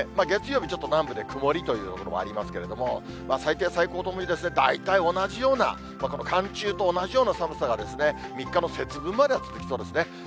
月曜日、ちょっと南部で曇りという所もありますけれども、最低最高ともに大体同じような、ここの寒中と同じような寒さが、３日の節分までは続きそうですね。